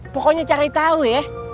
pokoknya cari tau ya